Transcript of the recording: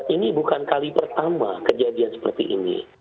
ini bukan kali pertama kejadian seperti ini